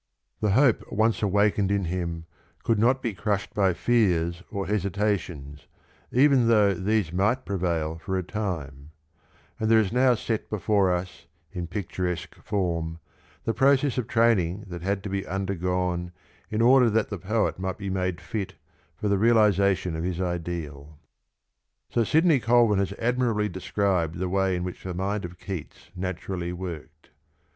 The hope once awakened in him could not be crushed by fears or hesitations, even though these might prevail for a time ; and there is now^ set before us in picturesque form the process of training that had to be undergone in order that the poet might be made fit for the realisation of his ideal. Sir Sidney Colvin has admirably described the w^ay in which the mind of Keats naturally worked.